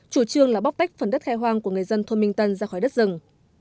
chủ trương là bóc tách phần đất khai hoang của người dân thôn minh tân ra khỏi đất rừng